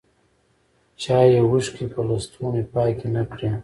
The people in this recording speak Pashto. چایې اوښکي په لستوڼي پاکي نه کړې